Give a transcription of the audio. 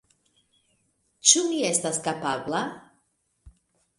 Ĉu mi estas kapabla?